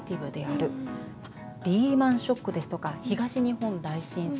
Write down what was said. リーマンショックですとか東日本大震災。